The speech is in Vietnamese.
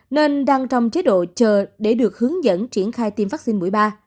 nên đang trong chế độ chờ để được hướng dẫn triển khai tiêm vaccine mũi ba